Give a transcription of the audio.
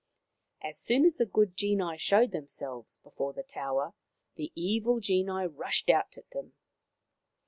As soon as the good genii showed themselves before the tower the evil genii rushed out at them.